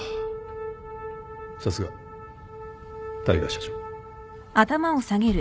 さすが大海社長。